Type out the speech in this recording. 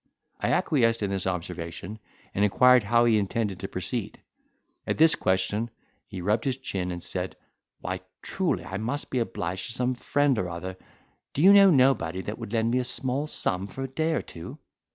I acquiesced in this observation, and inquired how he intended to proceed. At this question he rubbed his chin, and said, "Why, truly, I must be obliged to some friend or other—do you know nobody that would lend me a small sum for a day or two?"